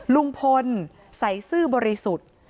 ลุงพลใส่ซื่อบริสุทธิ์